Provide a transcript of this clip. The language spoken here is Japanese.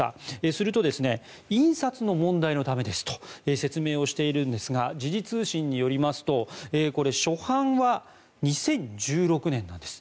すると、印刷の問題のためですと説明をしているんですが時事通信によりますとこれ、初版は２０１６年なんです。